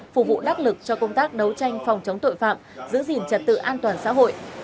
phục vụ đắc lực cho công tác đấu tranh phòng chống tội phạm giữ gìn trật tự an toàn xã hội